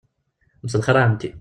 Mselxir a Ɛemti.